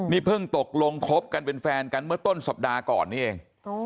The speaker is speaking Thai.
นี่เพิ่งตกลงคบกันเป็นแฟนกันเมื่อต้นสัปดาห์ก่อนนี้เอง